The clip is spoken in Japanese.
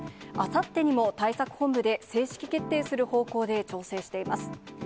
あさってにも対策本部で、正式決定する方向で調整しています。